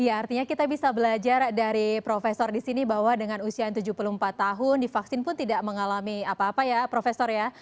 iya artinya kita bisa belajar dari profesor di sini bahwa dengan usia tujuh puluh empat tahun divaksin pun tidak mengalami apa apa ya profesor ya